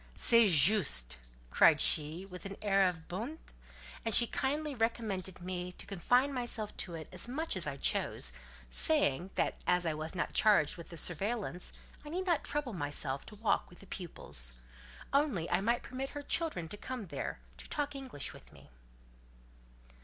"C'est juste," cried she with an air of bonté; and she kindly recommended me to confine myself to it as much as I chose, saying, that as I was not charged with the surveillance, I need not trouble myself to walk with the pupils: only I might permit her children to come there, to talk English with me.